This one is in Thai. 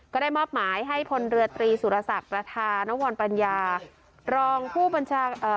ก็ได้มอบหมายให้พลเรือตรีสุรษัตริย์รัฐานวรปรรณญารองผู้บัญชาเอ่อ